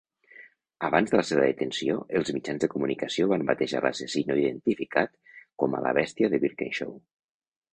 Abans de la seva detenció, els mitjans de comunicació van batejar l'assassí no identificat com a "la bèstia de Birkenshaw".